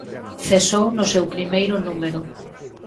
Cesou no seu primeiro número.